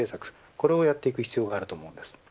これをやっていく必要があると思います。